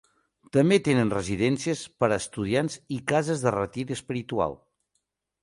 També tenen residències per a estudiants i cases de retir espiritual.